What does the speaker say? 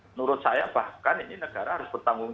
menurut saya bahkan ini negara harus bertanggung jawab